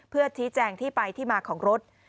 เพื่อชี้แจงที่ไปที่มาของรถ